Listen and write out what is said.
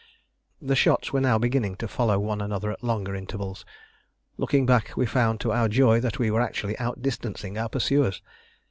The shots were now beginning to follow one another at longer intervals. Looking back, we found to our joy that we were actually outdistancing our pursuers.